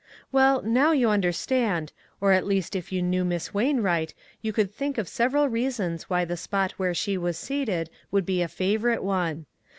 Well, now you understand, or at least if you knew Miss Wainvvright, you could think of several reasons why the spot where she was seated would be a favorite one.